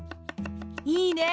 いいね！